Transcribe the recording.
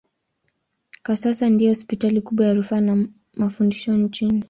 Kwa sasa ndiyo hospitali kubwa ya rufaa na mafundisho nchini.